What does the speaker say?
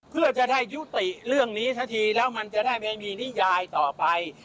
เพื่อจะได้ยุติเรื่องนี้สักทีแล้วมันจะได้ไม่มีนิยายต่อไป